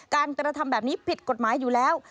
กระทำแบบนี้ผิดกฎหมายอยู่แล้ว